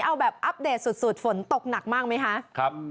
เอาแบบอัปเดตสุดฝนตกหนักมากไหมคะ